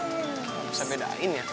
gak bisa bedain ya